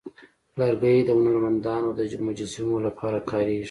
لرګی د هنرمندانو د مجسمو لپاره کارېږي.